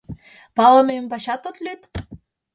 — Палыме ӱмбачат от лӱд?